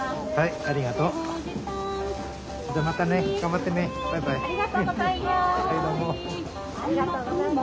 ありがとうございます。